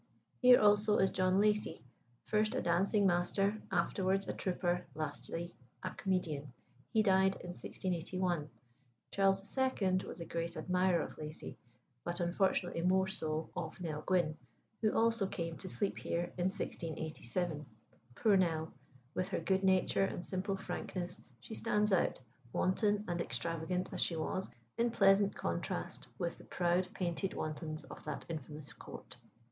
Here, also, is John Lacey first a dancing master, afterwards a trooper, lastly a comedian. He died in 1681. Charles II. was a great admirer of Lacey, but unfortunately more so of Nell Gwynn, who also came to sleep here in 1687. Poor Nell! with her good nature and simple frankness, she stands out, wanton and extravagant as she was, in pleasant contrast with the proud painted wantons of that infamous court.